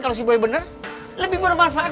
kalo si boy bener lebih bermanfaat